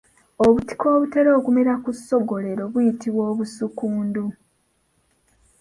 Obutiko obutera okumera ku ssogolero buyitibwa obussukundu.